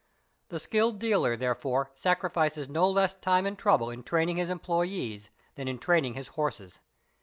The skilled dealer therefore sacrifices no less time and trouble in training his employés than in training his horses.